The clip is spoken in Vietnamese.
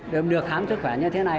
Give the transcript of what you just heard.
để được khám sức khỏe như thế này